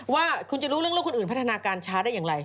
ว่าคุณจะรู้เรื่องลูกคนอื่นพัฒนาการช้าได้อย่างไร